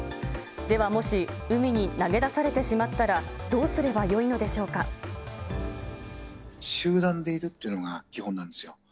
ではもし、海に投げ出されてしまったら、どうすればよいのでしょ集団でいるというのが基本なんですよ。